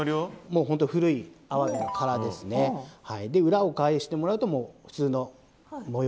裏を返してもらうと普通の模様。